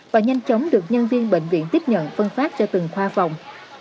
và nhanh chóng được nhân viên bệnh viện tiếp nhận phân phát cho từng khoa phòng